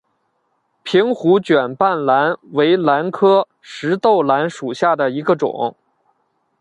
瓶壶卷瓣兰为兰科石豆兰属下的一个种。